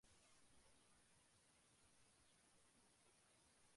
তিনি গৃহে ঘুরে ফিরে ধর্ম প্রচার করতেন না।